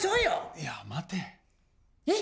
いや待て。え？